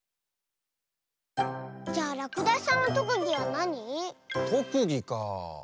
じゃあらくだしさんのとくぎはなに？とくぎかあ。